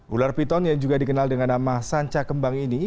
ular piton yang juga dikenal dengan nama sanca kembang ini